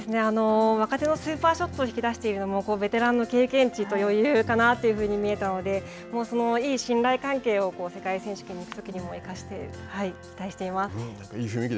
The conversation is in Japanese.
若手のスーパーショットを引き出しているのもベテランの経験値と余裕かなというふうに見えたのでいい信頼関係を世界選手権のときにも生かして期待してます。